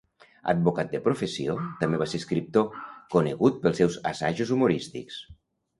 Advocat de professió, també va ser escriptor, conegut pels seus assajos humorístics.